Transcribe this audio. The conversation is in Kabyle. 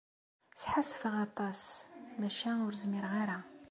Sḥassfeɣ aṭas, maca ur zmireɣ ara.